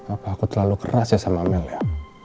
apa aku terlalu keras ya sama amel ya